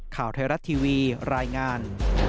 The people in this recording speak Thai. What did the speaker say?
ข่าวไทยรัฐทีวีรายงาน